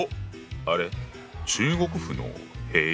あれ？